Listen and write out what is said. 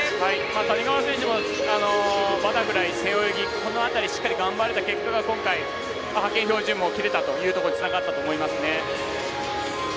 谷川選手もバタフライ背泳ぎ、しっかり頑張れた結果が今回、派遣標準を切れたところにつながったと思います。